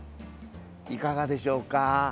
いかがでしょうか。